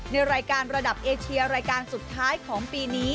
ในรายการระดับเอเชียรายการสุดท้ายของปีนี้